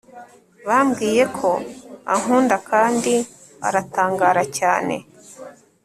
bambwiye ko ankunda kandi aratangara cyane